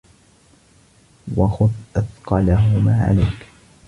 وَخُذْ أَثْقَلَهُمَا عَلَيْك